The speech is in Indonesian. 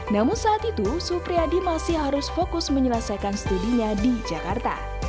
namun saat itu supriyadi masih harus fokus menyelesaikan studinya di jakarta